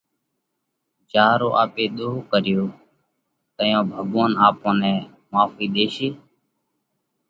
جيا رو آپي ۮوه ڪريوه۔ تئيون ڀڳوونَ آپون نئہ ماڦئِي ۮيشي۔